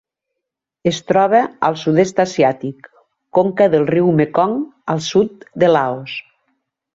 Es troba al Sud-est asiàtic: conca del riu Mekong al sud de Laos.